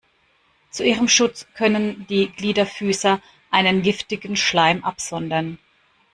Zu ihrem Schutz können die Gliederfüßer einen giftigen Schleim absondern.